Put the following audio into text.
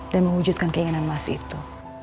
dan mewujudkan keinginan mas itu